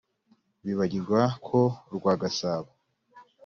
bibagirwa ko urwa gasabo